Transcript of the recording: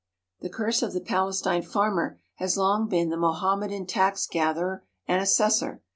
The curse of the Palestine farmer has long been the Mohammedan tax gatherer and assessor.